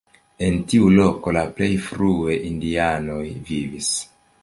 En tiu loko la plej frue indianoj vivis.